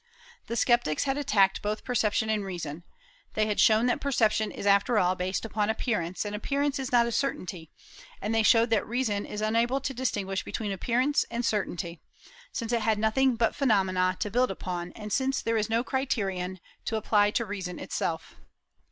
"The Sceptics had attacked both perception and reason. They had shown that perception is after all based upon appearance, and appearance is not a certainty; and they showed that reason is unable to distinguish between appearance and certainty, since it had nothing but phenomena to build upon, and since there is no criterion to apply to reason itself."